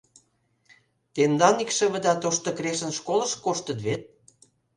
Тендан икшывыда Тошто Крешын школыш коштыт вет.